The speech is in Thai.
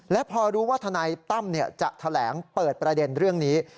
และพอรู้ว่าทนายตั้มจะแถลงเปิดประเด็นเรื่องนี้